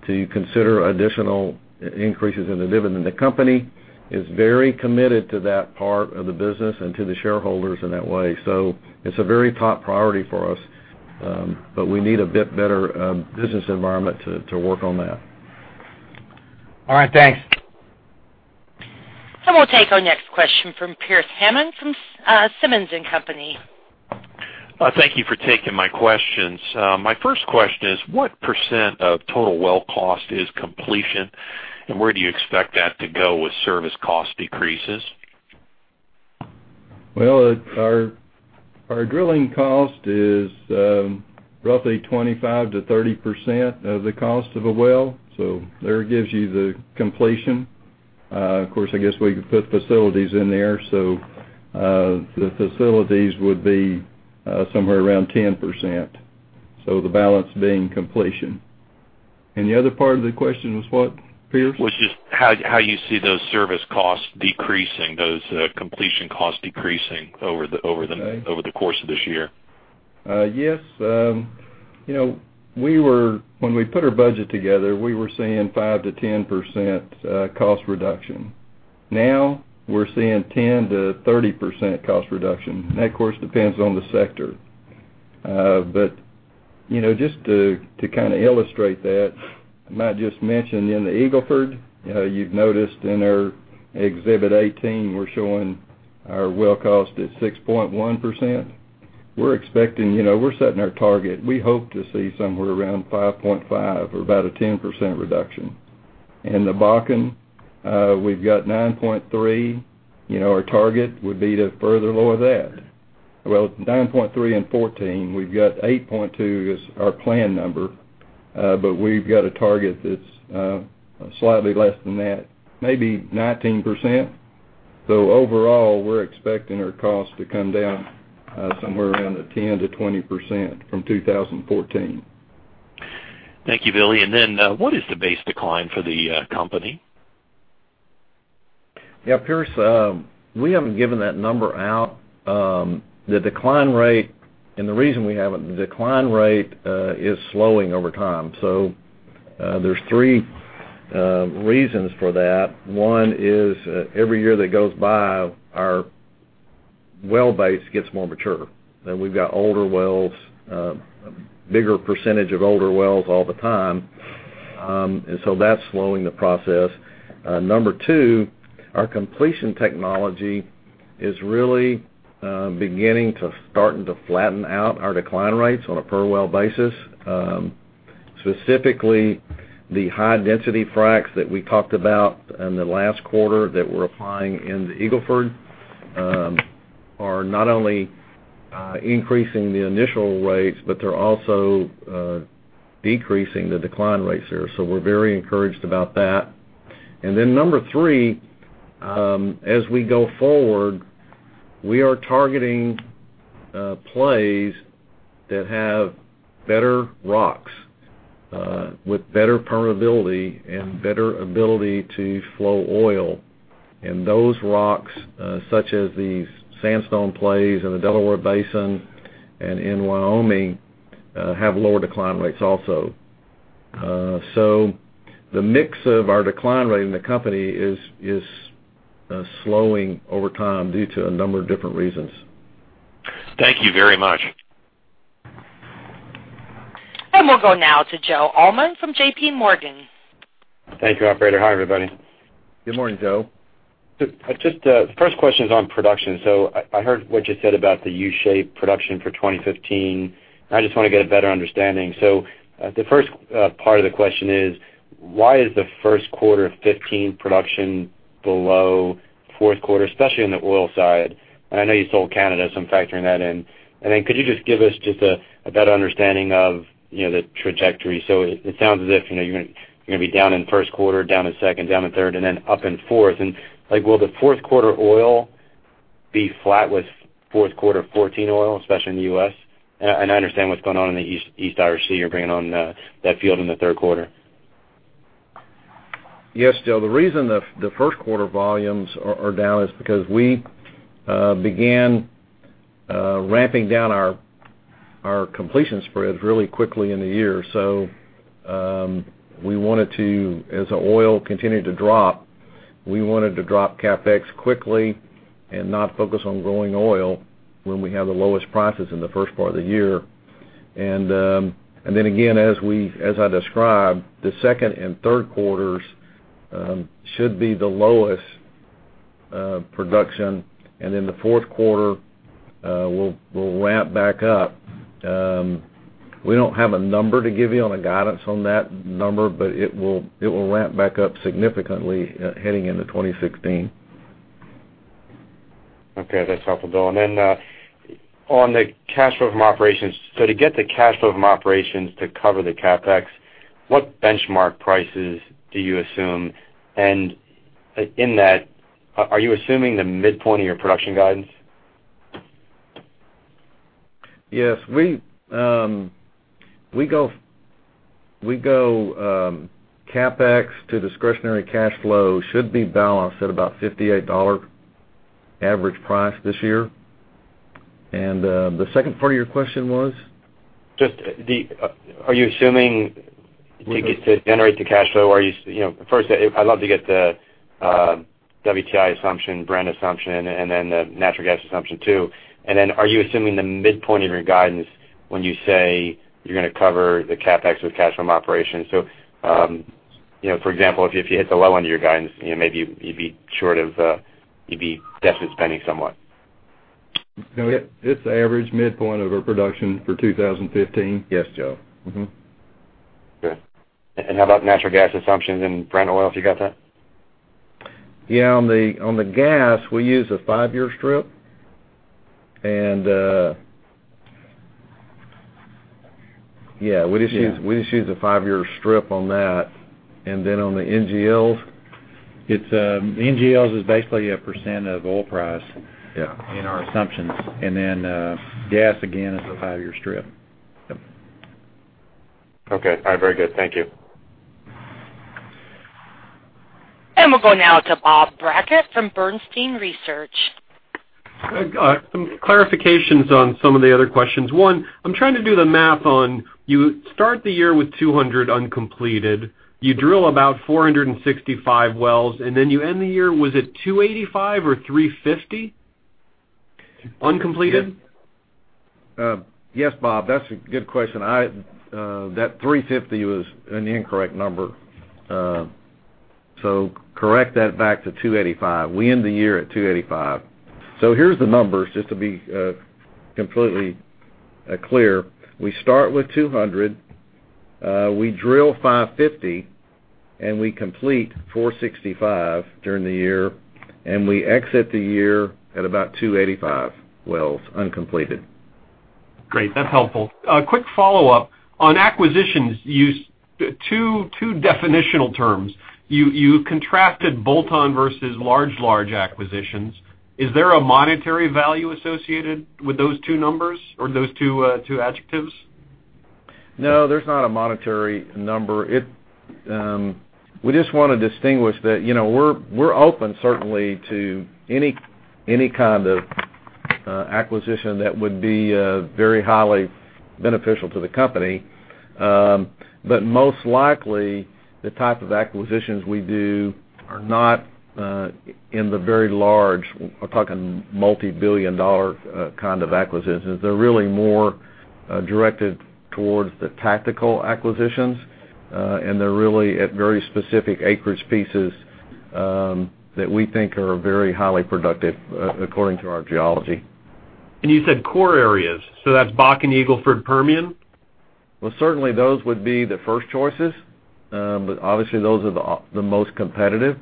to consider additional increases in the dividend. The company is very committed to that part of the business and to the shareholders in that way. It's a very top priority for us, but we need a bit better business environment to work on that. All right. Thanks. We'll take our next question from Pearce Hammond from Simmons & Company. Thank you for taking my questions. My first question is, what % of total well cost is completion, and where do you expect that to go with service cost decreases? Well, our drilling cost is roughly 25%-30% of the cost of a well. There gives you the completion. Of course, I guess we could put facilities in there. The facilities would be somewhere around 10%. The balance being completion. The other part of the question was what, Pearce? Was just how you see those service costs decreasing, those completion costs decreasing over the course of this year. Yes. When we put our budget together, we were seeing 5%-10% cost reduction. Now we're seeing 10%-30% cost reduction. That of course, depends on the sector. Just to illustrate that, I might just mention in the Eagle Ford, you've noticed in our Exhibit 18, we're showing our well cost at 6.1%. We're setting our target. We hope to see somewhere around 5.5% or about a 10% reduction. In the Bakken, we've got 9.3%. Our target would be to further lower that. Well, 9.3% before we've got 8.2% is our plan number. We've got a target that's slightly less than that, maybe 19%. Overall, we're expecting our cost to come down somewhere around the 10%-20% from 2014. Thank you, Billy. What is the base decline for the company? Yeah, Pearce, we haven't given that number out. The decline rate, and the reason we haven't, the decline rate is slowing over time. There's three reasons for that. One is every year that goes by our Well base gets more mature. We've got older wells, a bigger percentage of older wells all the time. That's slowing the process. Number two, our completion technology is really beginning to start to flatten out our decline rates on a per-well basis. Specifically, the high density fracs that we talked about in the last quarter that we're applying in the Eagle Ford, are not only increasing the initial rates, but they're also decreasing the decline rates there. We're very encouraged about that. Number three, as we go forward, we are targeting plays that have better rocks with better permeability and better ability to flow oil. Those rocks, such as the sandstone plays in the Delaware Basin and in Wyoming, have lower decline rates also. The mix of our decline rate in the company is slowing over time due to a number of different reasons. Thank you very much. We'll go now to Joseph Allman from J.P. Morgan. Thank you, operator. Hi, everybody. Good morning, Joe. First question's on production. I heard what you said about the U-shape production for 2015. I just want to get a better understanding. The first part of the question is: why is the first quarter 2015 production below fourth quarter, especially on the oil side? I know you sold Canada, so I'm factoring that in. Could you just give us just a better understanding of the trajectory? It sounds as if you're going to be down in first quarter, down in second, down in third, and then up in fourth. Will the fourth quarter oil be flat with fourth quarter 2014 oil, especially in the U.S.? I understand what's going on in the East Irish Sea. You're bringing on that field in the third quarter. Yes. Joe, the reason the first quarter volumes are down is because we began ramping down our completions spreads really quickly in the year. As our oil continued to drop, we wanted to drop CapEx quickly and not focus on growing oil when we have the lowest prices in the first part of the year. Again, as I described, the second and third quarters should be the lowest production. The fourth quarter, we'll ramp back up. We don't have a number to give you on a guidance on that number, but it will ramp back up significantly heading into 2016. Okay. That's helpful, Bill. On the cash flow from operations, to get the cash flow from operations to cover the CapEx, what benchmark prices do you assume? In that, are you assuming the midpoint of your production guidance? Yes. We go CapEx to discretionary cash flow should be balanced at about $58 average price this year. The second part of your question was? Are you assuming to generate the cash flow? First, I'd love to get the WTI assumption, Brent assumption, and then the natural gas assumption, too. Are you assuming the midpoint of your guidance when you say you're going to cover the CapEx with cash from operations? For example, if you hit the low end of your guidance, maybe you'd be deficit spending somewhat. No, it's the average midpoint of our production for 2015. Yes, Joe. Okay. How about natural gas assumptions and Brent oil? Have you got that? Yeah. On the gas, we use a five-year strip. Yeah, we just use a five-year strip on that. Then on the NGLs? NGLs is basically a % of oil price- Yeah in our assumptions. Then gas, again, is a five-year strip. Yep. Okay. All right. Very good. Thank you. We'll go now to Bob Brackett from Bernstein Research. Some clarifications on some of the other questions. One, I'm trying to do the math on, you start the year with 200 uncompleted. You drill about 465 wells, and then you end the year, was it 285 or 350 uncompleted? Yes, Bob, that's a good question. That 350 was an incorrect number. Correct that back to 285. We end the year at 285. Here's the numbers, just to be completely clear. We start with 200, we drill 550, and we complete 465 during the year, and we exit the year at about 285 wells uncompleted. Great. That's helpful. A quick follow-up. On acquisitions, you used two definitional terms. You contracted bolt-on versus large acquisitions. Is there a monetary value associated with those two numbers or those two adjectives? No, there's not a monetary number. We just want to distinguish that we're open certainly to any kind of acquisition that would be very highly beneficial to the company. Most likely, the type of acquisitions we do are not in the very large, I'm talking multi-billion dollar kind of acquisitions. They're really more directed towards the tactical acquisitions, and they're really at very specific acreage pieces that we think are very highly productive according to our geology. You said core areas, that's Bakken, Eagle Ford, Permian? Well, certainly those would be the first choices. Obviously those are the most competitive.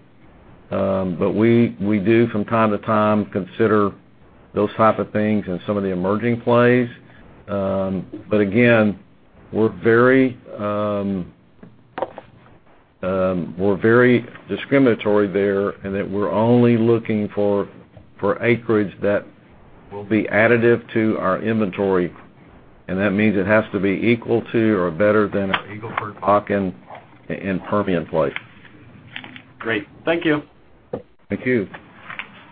We do from time to time, consider those type of things in some of the emerging plays. Again, we're very discriminatory there in that we're only looking for acreage that will be additive to our inventory, and that means it has to be equal to or better than our Eagle Ford, Bakken, and Permian plays. Great. Thank you. Thank you.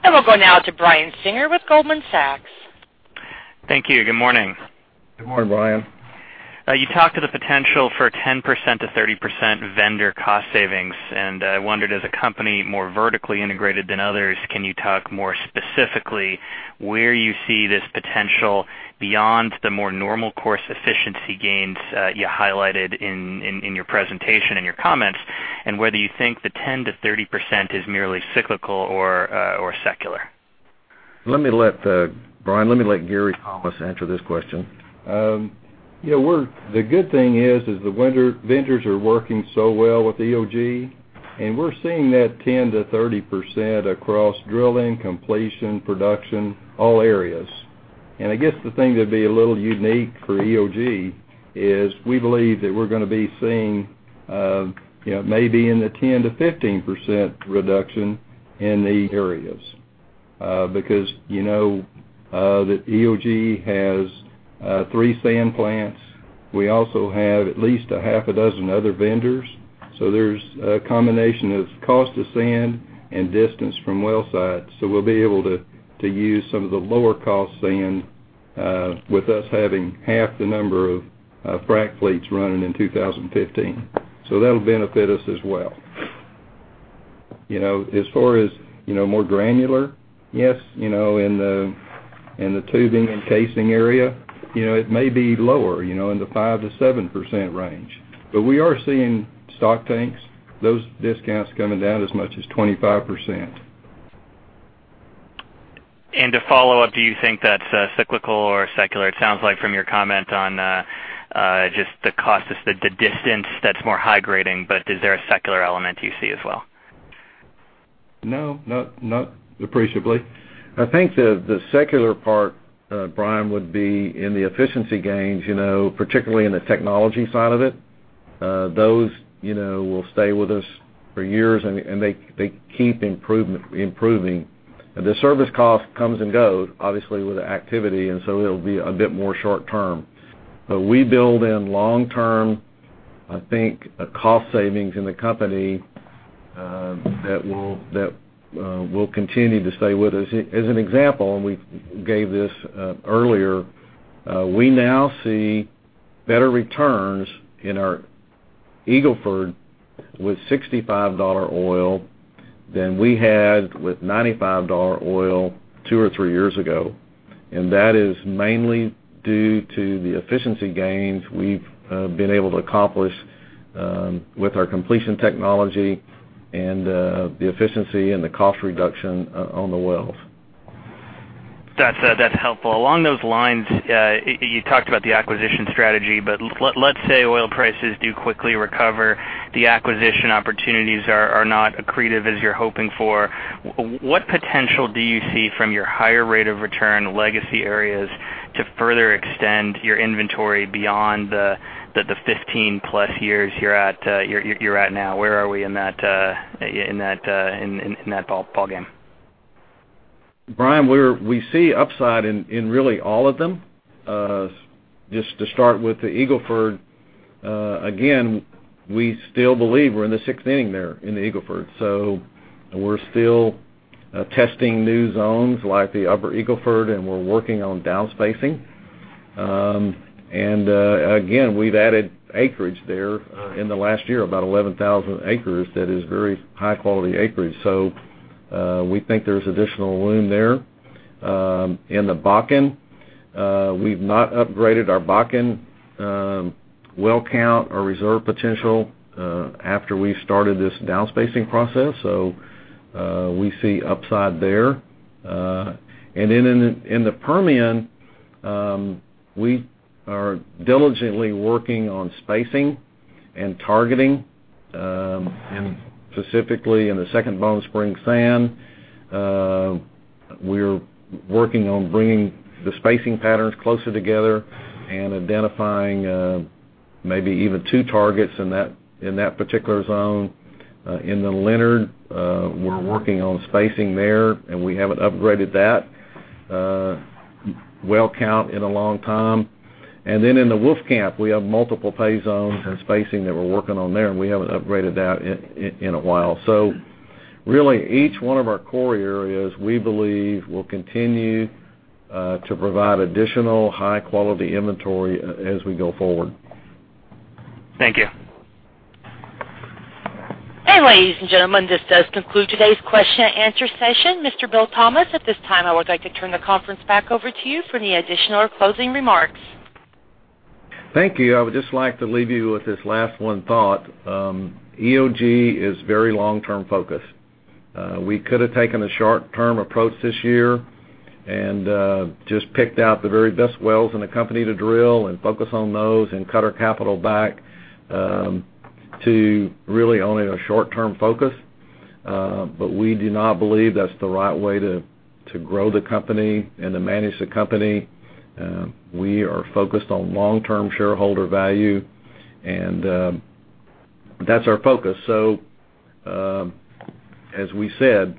We'll go now to Brian Singer with Goldman Sachs. Thank you. Good morning. Good morning, Brian. You talked of the potential for 10%-30% vendor cost savings. I wondered, as a company more vertically integrated than others, can you talk more specifically where you see this potential beyond the more normal course efficiency gains you highlighted in your presentation and your comments, and whether you think the 10%-30% is merely cyclical or secular? Brian, let me let Gary Thomas answer this question. The good thing is the vendors are working so well with EOG, we're seeing that 10%-30% across drilling, completion, production, all areas. I guess the thing that'd be a little unique for EOG is we believe that we're going to be seeing maybe in the 10%-15% reduction in the areas. EOG has three sand plants. We also have at least a half a dozen other vendors. There's a combination of cost of sand and distance from well sites. We'll be able to use some of the lower cost sand, with us having half the number of frac fleets running in 2015. That'll benefit us as well. As far as more granular, yes, in the tubing and casing area, it may be lower, in the 5%-7% range. We are seeing stock tanks, those discounts coming down as much as 25%. To follow up, do you think that's cyclical or secular? It sounds like from your comment on just the cost, it's the distance that's more high grading, is there a secular element you see as well? No, not appreciably. I think the secular part, Brian, would be in the efficiency gains, particularly in the technology side of it. Those will stay with us for years, they keep improving. The service cost comes and goes, obviously, with the activity, so it'll be a bit more short-term. We build in long-term, I think, cost savings in the company, that will continue to stay with us. As an example, we gave this earlier, we now see better returns in our Eagle Ford with $65 oil than we had with $95 oil two or three years ago. That is mainly due to the efficiency gains we've been able to accomplish with our completion technology and the efficiency and the cost reduction on the wells. That's helpful. Along those lines, you talked about the acquisition strategy, let's say oil prices do quickly recover, the acquisition opportunities are not accretive as you're hoping for. What potential do you see from your higher rate of return legacy areas to further extend your inventory beyond the 15+ years you're at now? Where are we in that ballgame? Brian, we see upside in really all of them. To start with the Eagle Ford, again, we still believe we're in the sixth inning there in the Eagle Ford. We're still testing new zones like the Upper Eagle Ford, and we're working on down-spacing. Again, we've added acreage there in the last year, about 11,000 acres, that is very high quality acreage. We think there's additional room there. In the Bakken, we've not upgraded our Bakken well count or reserve potential after we started this down-spacing process, we see upside there. In the Permian, we are diligently working on spacing and targeting, and specifically in the Second Bone Spring sand. We're working on bringing the spacing patterns closer together and identifying maybe even two targets in that particular zone. In the Leonard, we're working on spacing there, and we haven't upgraded that well count in a long time. In the Wolfcamp, we have multiple pay zones and spacing that we're working on there, and we haven't upgraded that in a while. Really each one of our core areas, we believe, will continue to provide additional high-quality inventory as we go forward. Thank you. Ladies and gentlemen, this does conclude today's question and answer session. Mr. Bill Thomas, at this time, I would like to turn the conference back over to you for any additional or closing remarks. Thank you. I would just like to leave you with this last one thought. EOG is very long-term focused. We could have taken a short-term approach this year and just picked out the very best wells in the company to drill and focus on those and cut our capital back to really only a short-term focus. We do not believe that's the right way to grow the company and to manage the company. We are focused on long-term shareholder value, and that's our focus. As we said,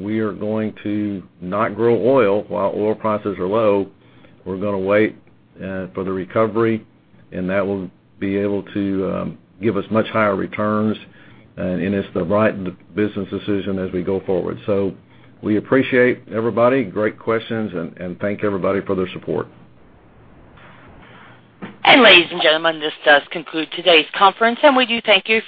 we are going to not grow oil while oil prices are low. We're going to wait for the recovery, and that will be able to give us much higher returns, and it's the right business decision as we go forward. We appreciate everybody. Great questions, and thank everybody for their support. Ladies and gentlemen, this does conclude today's conference, and we do thank you for-